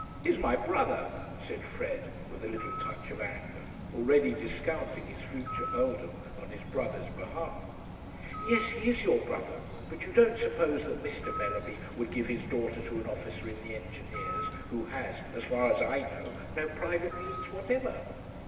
"He is my brother," said Fred, with a little touch of anger, already discounting his future earldom on his brother's behalf. "Yes; he is your brother; but you don't suppose that Mr. Mellerby would give his daughter to an officer in the Engineers who has, as far as I know, no private means whatever."